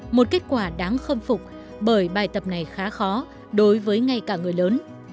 một kết quả đáng khâm phục bởi bài tập này khá khó đối với ngay cả người lớn